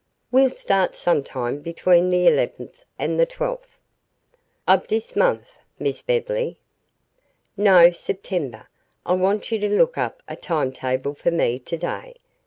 we'll start sometime between the eleventh and the twelfth." "Of dis monf, Miss Bev'ly?" "No; September. I want you to look up a timetable for me to day.